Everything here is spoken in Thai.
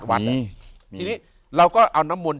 ทีนี้เราก็เอาน้ำมนต์